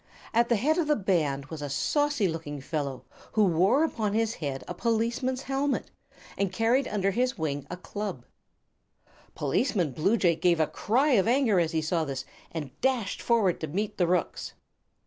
At the head of the band was a saucy looking fellow who wore upon his head a policeman's helmet, and carried under his wing a club. Policeman Bluejay gave a cry of anger as he saw this, and dashed forward to meet the rooks.